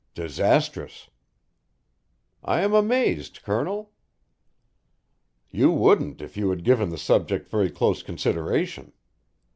"Disastrous." "I am amazed, Colonel." "You wouldn't if you had given the subject very close consideration.